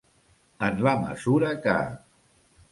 En la mesura que.